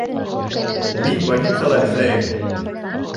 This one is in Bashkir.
Мин больницала эшләйем